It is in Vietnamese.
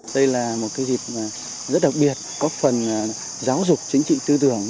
đây là một dịp rất đặc biệt có phần giáo dục chính trị tư tưởng